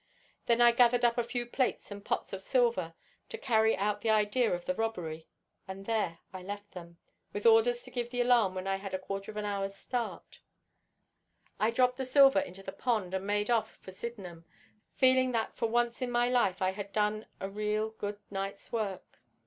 Then I gathered up a few plates and pots of silver, to carry out the idea of a robbery, and there I left them with orders to give the alarm when I had a quarter of an hour's start. I dropped the silver into the pond and made off for Sydenham, feeling that for once in my life I had done a real good night's work.